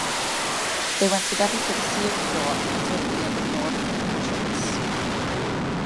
They went together to the Sears store and entered via the north entrance.